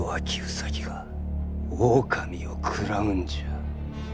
兎が狼を食らうんじゃ。